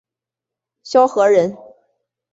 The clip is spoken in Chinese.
萧何人。